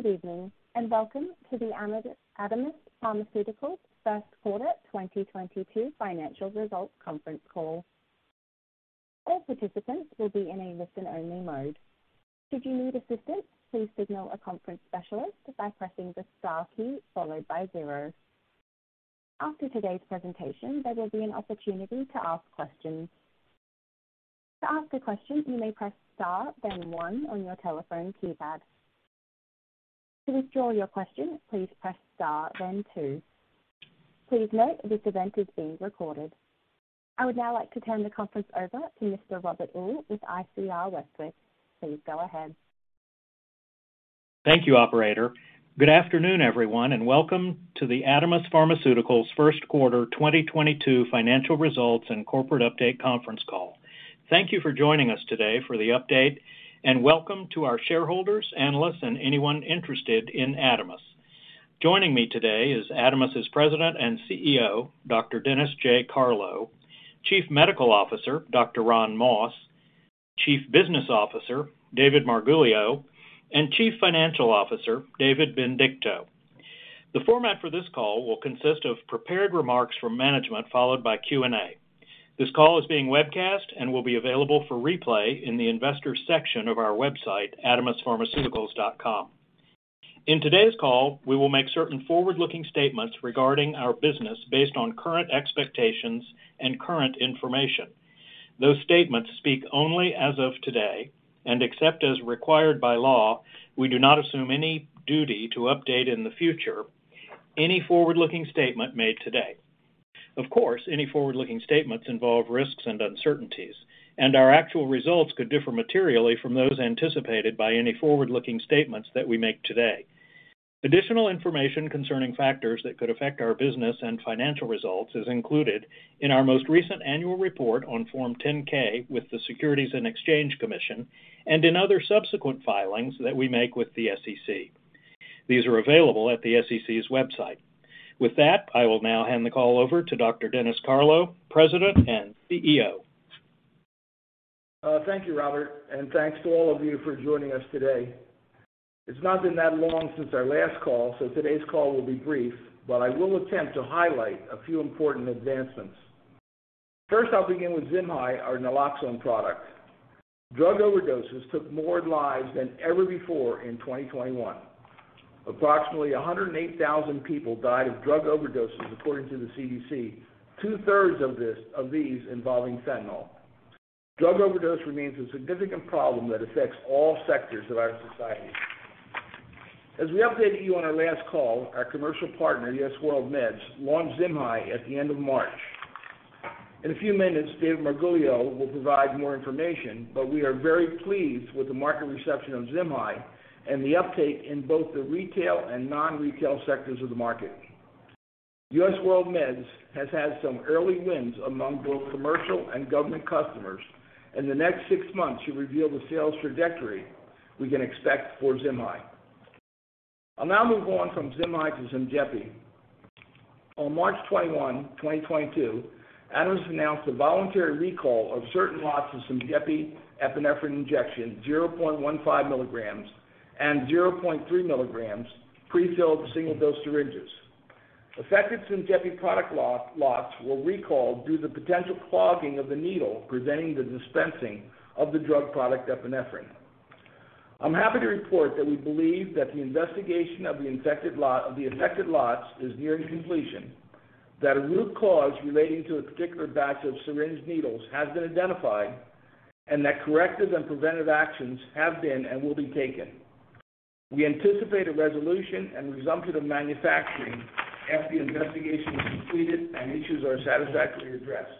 Good evening, and welcome to the Adamis Pharmaceuticals first quarter 2022 financial results conference call. All participants will be in a listen-only mode. Should you need assistance, please signal a conference specialist by pressing the star key followed by zero. After today's presentation, there will be an opportunity to ask questions. To ask a question, you may press star then one on your telephone keypad. To withdraw your question, please press star then two. Please note this event is being recorded. I would now like to turn the conference over to Mr. Robert Uhl with ICR Westwicke. Please go ahead. Thank you, operator. Good afternoon, everyone, and welcome to the Adamis Pharmaceuticals first quarter 2022 financial results and corporate update conference call. Thank you for joining us today for the update and welcome to our shareholders, analysts, and anyone interested in Adamis. Joining me today is Adamis's President and CEO, Dr. Dennis J. Carlo, Chief Medical Officer, Dr. Ron Moss, Chief Business Officer, David Marguglio, and Chief Financial Officer, David Benedicto. The format for this call will consist of prepared remarks from management followed by Q&A. This call is being webcast and will be available for replay in the investors section of our website, adamispharmaceuticals.com. In today's call, we will make certain forward-looking statements regarding our business based on current expectations and current information. Those statements speak only as of today, and except as required by law, we do not assume any duty to update in the future any forward-looking statement made today. Of course, any forward-looking statements involve risks and uncertainties, and our actual results could differ materially from those anticipated by any forward-looking statements that we make today. Additional information concerning factors that could affect our business and financial results is included in our most recent annual report on Form 10-K with the Securities and Exchange Commission and in other subsequent filings that we make with the SEC. These are available at the SEC's website. With that, I will now hand the call over to Dr. Dennis Carlo, President and CEO. Thank you, Robert, and thanks to all of you for joining us today. It's not been that long since our last call, so today's call will be brief, but I will attempt to highlight a few important advancements. First, I'll begin with ZIMHI, our naloxone product. Drug overdoses took more lives than ever before in 2021. Approximately 108,000 people died of drug overdoses according to the CDC, two-thirds of these involving fentanyl. Drug overdose remains a significant problem that affects all sectors of our society. As we updated you on our last call, our commercial partner, US WorldMeds, launched ZIMHI at the end of March. In a few minutes, David Marguglio will provide more information, but we are very pleased with the market reception of ZIMHI and the uptake in both the retail and non-retail sectors of the market. US WorldMeds has had some early wins among both commercial and government customers. In the next six months, we reveal the sales trajectory we can expect for ZIMHI. I'll now move on from ZIMHI to SYMJEPI. On March 21, 2022, Adamis announced a voluntary recall of certain lots of SYMJEPI epinephrine injection 0.15 milligrams and 0.3 milligrams prefilled single-dose syringes. Affected SYMJEPI product lots were recalled due to potential clogging of the needle preventing the dispensing of the drug product epinephrine. I'm happy to report that we believe that the investigation of the affected lots is nearing completion, that a root cause relating to a particular batch of syringe needles has been identified and that corrective and preventive actions have been and will be taken. We anticipate a resolution and resumption of manufacturing after the investigation is completed and issues are satisfactorily addressed.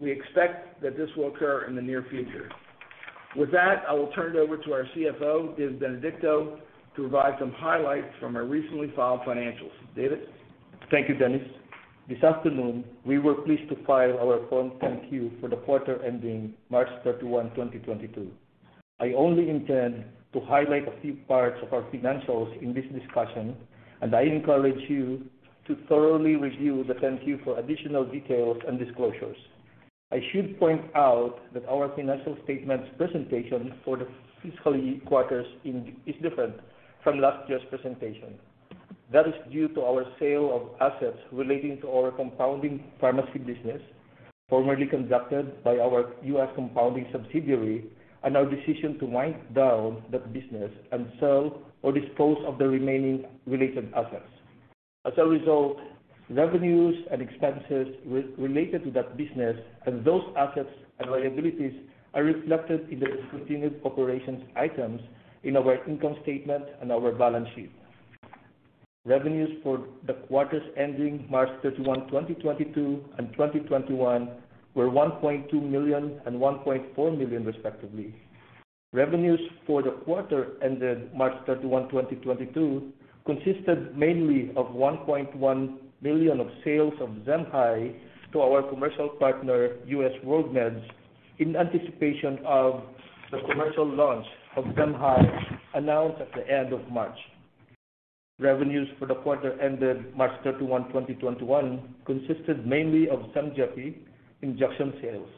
We expect that this will occur in the near future. With that, I will turn it over to our CFO, David Benedicto, to provide some highlights from our recently filed financials. David. Thank you, Dennis. This afternoon, we were pleased to file our Form 10-Q for the quarter ending March 31, 2022. I only intend to highlight a few parts of our financials in this discussion, and I encourage you to thoroughly review the 10-Q for additional details and disclosures. I should point out that our financial statements presentation for the fiscal year quarters is different from last year's presentation. That is due to our sale of assets relating to our compounding pharmacy business formerly conducted by our US Compounding subsidiary and our decision to wind down that business and sell or dispose of the remaining related assets. As a result, revenues and expenses related to that business and those assets and liabilities are reflected in the discontinued operations items in our income statement and our balance sheet. Revenues for the quarters ending March 31, 2022 and 2021 were $1.2 million and $1.4 million, respectively. Revenues for the quarter ended March 31, 2022 consisted mainly of $1.1 million of sales of ZIMHI to our commercial partner, US WorldMeds, in anticipation of the commercial launch of ZIMHI announced at the end of March. Revenues for the quarter ended March 31, 2021 consisted mainly of SYMJEPI injection sales.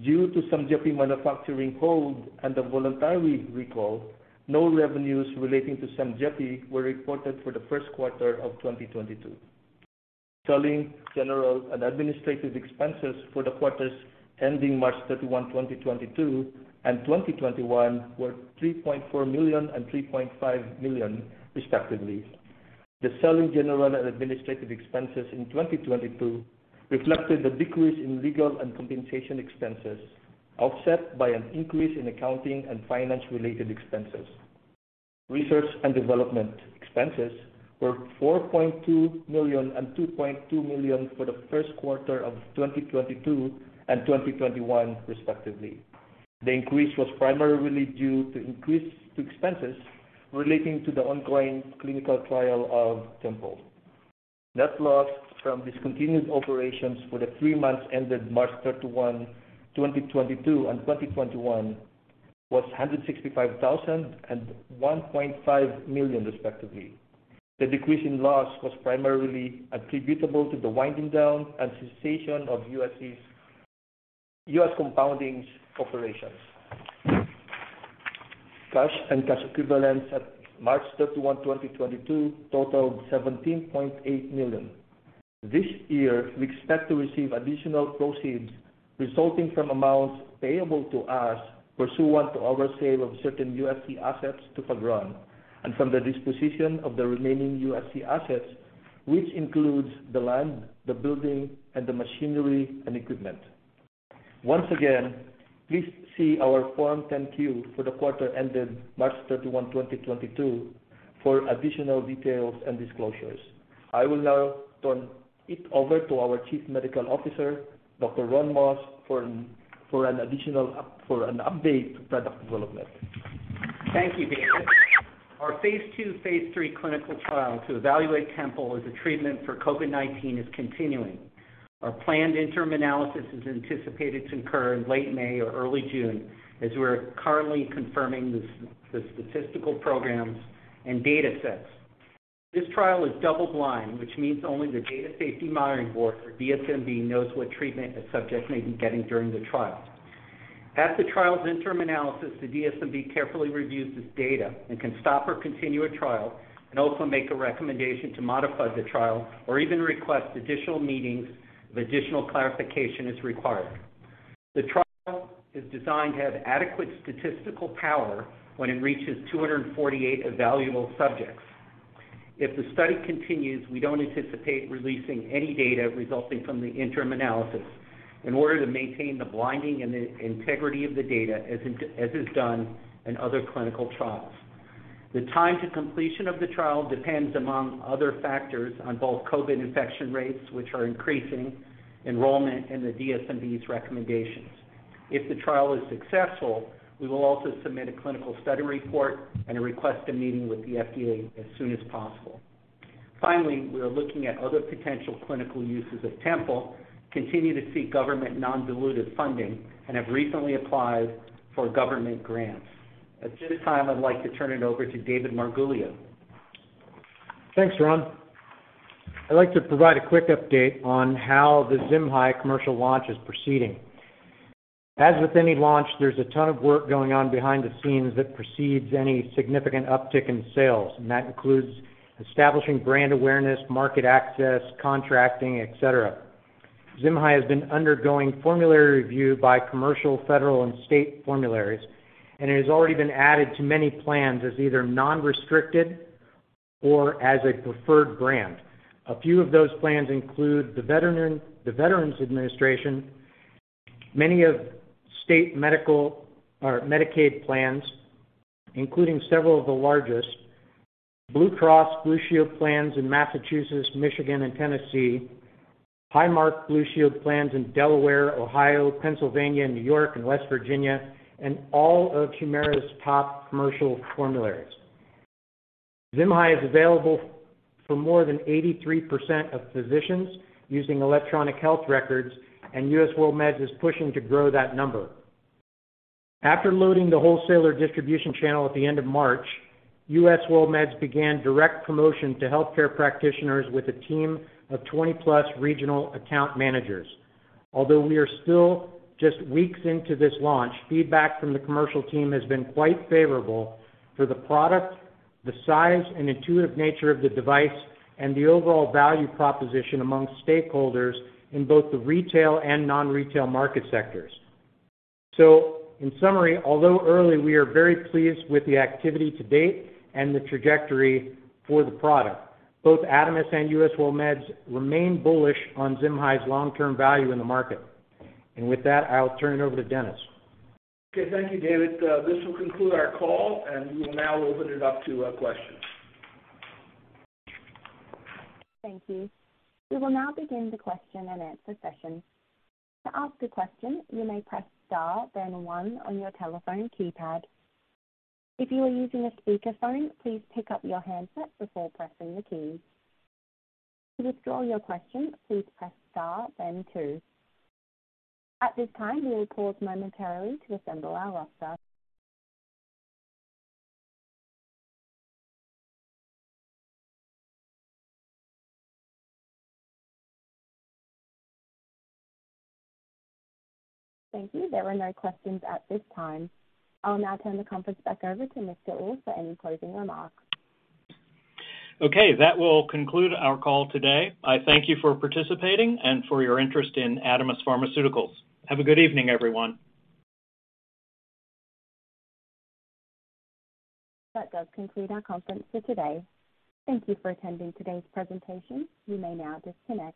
Due to SYMJEPI manufacturing hold and the voluntary recall, no revenues relating to SYMJEPI were reported for the first quarter of 2022. Selling, general, and administrative expenses for the quarters ending March 31, 2022 and 2021 were $3.4 million and $3.5 million, respectively. The selling general and administrative expenses in 2022 reflected the decrease in legal and compensation expenses, offset by an increase in accounting and finance-related expenses. Research and development expenses were $4.2 million and $2.2 million for the first quarter of 2022 and 2021, respectively. The increase was primarily due to increased expenses relating to the ongoing clinical trial of Tempol. Net loss from discontinued operations for the three months ended March 31, 2022 and 2021 was $165,000 and $1.5 million, respectively. The decrease in loss was primarily attributable to the winding down and cessation of US Compounding's operations. Cash and cash equivalents at March 31, 2022 totaled $17.8 million. This year, we expect to receive additional proceeds resulting from amounts payable to us pursuant to our sale of certain USC assets to Fagron and from the disposition of the remaining USC assets, which includes the land, the building, and the machinery and equipment. Once again, please see our Form 10-Q for the quarter ended March 31, 2022 for additional details and disclosures. I will now turn it over to our Chief Medical Officer, Dr. Ron Moss, for an update to product development. Thank you, David. Our phase II, phase III clinical trial to evaluate Tempol as a treatment for COVID-19 is continuing. Our planned interim analysis is anticipated to occur in late May or early June, as we're currently confirming the statistical programs and datasets. This trial is double-blind, which means only the Data Safety Monitoring Board, or DSMB, knows what treatment a subject may be getting during the trial. At the trial's interim analysis, the DSMB carefully reviews this data and can stop or continue a trial and also make a recommendation to modify the trial or even request additional meetings if additional clarification is required. The trial is designed to have adequate statistical power when it reaches 248 evaluable subjects. If the study continues, we don't anticipate releasing any data resulting from the interim analysis in order to maintain the blinding and the integrity of the data, as is done in other clinical trials. The time to completion of the trial depends, among other factors, on both COVID infection rates, which are increasing, enrollment, and the DSMB's recommendations. If the trial is successful, we will also submit a clinical study report and request a meeting with the FDA as soon as possible. Finally, we are looking at other potential clinical uses of Tempol, continue to seek government non-dilutive funding, and have recently applied for government grants. At this time, I'd like to turn it over to David J. Marguglio. Thanks, Ron. I'd like to provide a quick update on how the ZIMHI commercial launch is proceeding. As with any launch, there's a ton of work going on behind the scenes that precedes any significant uptick in sales, and that includes establishing brand awareness, market access, contracting, et cetera. ZIMHI has been undergoing formulary review by commercial, federal, and state formularies and has already been added to many plans as either non-restricted or as a preferred brand. A few of those plans include the Veterans Administration, many state Medicaid plans, including several of the largest, Blue Cross Blue Shield plans in Massachusetts, Michigan, and Tennessee, Highmark Blue Shield plans in Delaware, Ohio, Pennsylvania, New York, and West Virginia, and all of Humana's top commercial formularies. ZIMHI is available for more than 83% of physicians using electronic health records, and US WorldMeds is pushing to grow that number. After loading the wholesaler distribution channel at the end of March, US WorldMeds began direct promotion to healthcare practitioners with a team of 20-plus regional account managers. Although we are still just weeks into this launch, feedback from the commercial team has been quite favorable for the product, the size and intuitive nature of the device, and the overall value proposition among stakeholders in both the retail and non-retail market sectors. In summary, although early, we are very pleased with the activity to date and the trajectory for the product. Both Adamis and US WorldMeds remain bullish on ZIMHI's long-term value in the market. With that, I'll turn it over to Dennis. Okay. Thank you, David. This will conclude our call, and we will now open it up to questions. Thank you. We will now begin the question and answer session. To ask a question, you may press star, then one on your telephone keypad. If you are using a speakerphone, please pick up your handset before pressing the key. To withdraw your question, please press star, then two. At this time, we will pause momentarily to assemble our roster. Thank you. There are no questions at this time. I'll now turn the conference back over to Mr. Uhl for any closing remarks. Okay. That will conclude our call today. I thank you for participating and for your interest in Adamis Pharmaceuticals. Have a good evening, everyone. That does conclude our conference for today. Thank you for attending today's presentation. You may now disconnect.